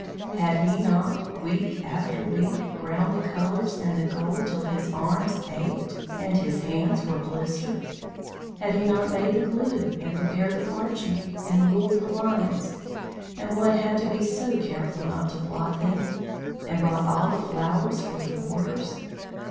Had he not, week after week, ground the colours and the gold till his arms ached, and his hands were blistered? Had he not made the glue, and prepared the parchment, and ruled the lines (and one had to be so careful not to blot them!), and brought all the flowers for the borders?